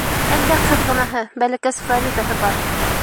Әлдә ҡыҙғынаһы, бәләкәс Флоридаһы бар.